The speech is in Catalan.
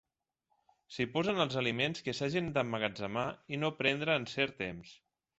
S'hi posen els aliments que s'hagin d'emmagatzemar i no prendre en cert temps.